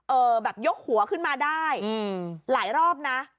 แบบยกหัวขึ้นมาได้หลายรอบนะ